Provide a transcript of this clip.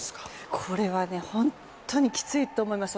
これはきついと思います。